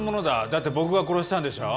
だって僕が殺したんでしょ？